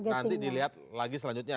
nanti dilihat lagi selanjutnya